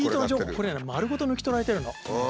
これ丸ごと抜き取られてるの。